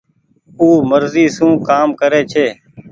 او مرزي سون ڪآم ڪري ڇي۔